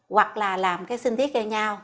hoặc là làm cái sinh thiết kê nhau